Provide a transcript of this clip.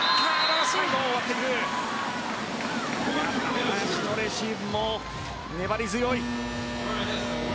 林のレシーブ、粘り強い。